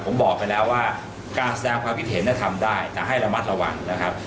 ผมบอกไปแล้วว่าการแสดงความคิดเห็นทำได้แต่ให้ระมัดระวังนะครับ